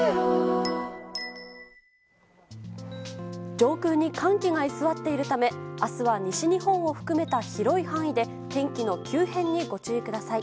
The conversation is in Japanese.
上空に寒気が居座っているため明日は西日本を含めた広い範囲で天気の急変にご注意ください。